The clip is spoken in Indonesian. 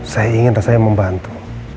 saya ingin dan saya membantu